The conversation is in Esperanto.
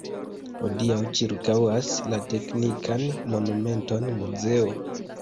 Hodiaŭ ĉirkaŭas la teknikan monumenton muzeo.